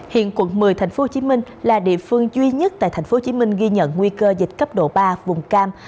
hiện quận một mươi tp hcm là địa phương duy nhất tại tp hcm ghi nhận nguy cơ dịch cấp độ ba vùng cam